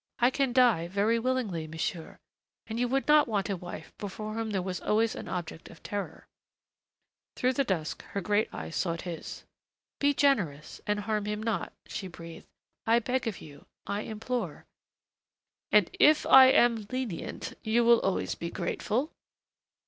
"I can die very willingly, monsieur.... And you would not want a wife before whom there was always an object of terror " Through the dusk her great eyes sought his. "Be generous and harm him not," she breathed. "I beg of you, I implore " "And if I am lenient you will always be grateful?"